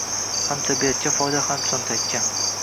Ham tabiatga foyda, ham cho‘ntakka.